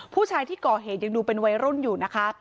ผู้ชายที่ก่อเหตุยังดูเป็นวัยรุ่นอยู่นะคะ